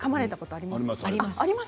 あります。